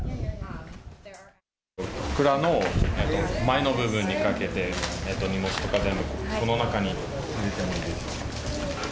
くらの前の部分にかけて、荷物とか全部この中に入れて。